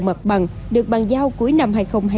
mặt bằng được bàn giao cuối năm hai nghìn hai mươi hai